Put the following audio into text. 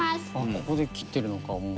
ここで切ってるのかもう。